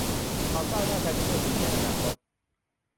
ความก้าวหน้าทางเทคโนโลยีในอนาคต